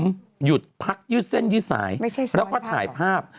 หยุดพักยืดเส้นยืดสายแล้วก็ถ่ายภาพ